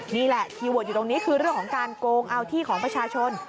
นี่แหละคีย์เวิร์ดอยู่ตรงนี้คือเรื่องของการโกงเอาที่ของประชาชน